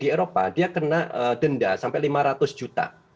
di eropa dia kena denda sampai lima ratus juta